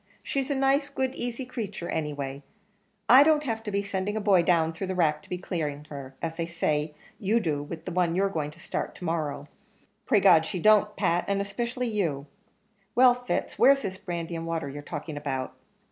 "She's a nice, good, easy creature, anyway. I don't have to be sending a boy down through the rack to be cleaning her, as they say you do with the one you're going to start to morrow pray God she don't kill any of us, that's all." "Pray God she don't, Pat, and especially you. Well, Fitz, where's this brandy and water you're talking about?"